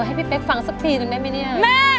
ให้พี่เป๊กฟังสักทีนึงได้ไหมเนี่ย